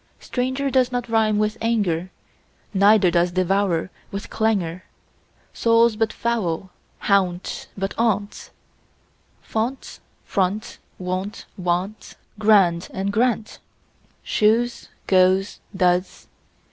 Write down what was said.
Stranger does not rime with anger, Neither does devour with clangour. Soul, but foul and gaunt, but aunt; Font, front, wont; want, grand, and, grant, Shoes, goes, does.